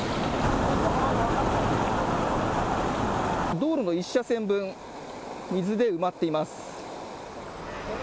道路の１車線分、水で埋まっています。